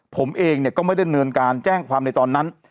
ผมเองก็ไม่ได้เนินการแจ้งความในตอนนั้น